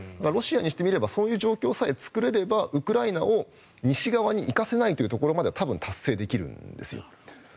ロシアにしてみればそういう状況さえ作れればウクライナを西側に行かせないところまでは達成できるんですよ。